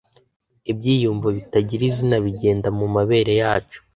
Ibyiyumvo bitagira izina bigenda mumabere yacu,